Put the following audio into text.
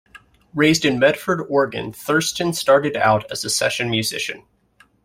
Raised in Medford, Oregon, Thurston started out as a session musician.